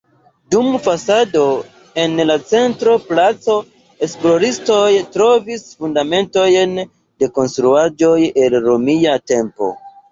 Dum fosado en la centra placo, esploristoj trovis fundamentojn de konstruaĵoj el Romia tempo.